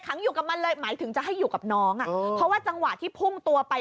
อยู่กับมันเลยหมายถึงจะให้อยู่กับน้องอ่ะเพราะว่าจังหวะที่พุ่งตัวไป